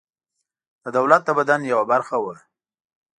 د دولت د بدن یوه برخه وه.